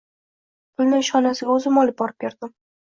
Pulni ishxonasiga o‘zim olib borib berdim.